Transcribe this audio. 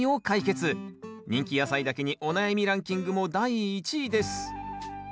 人気野菜だけにお悩みランキングも第１位です。